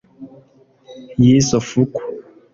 y’izo fuku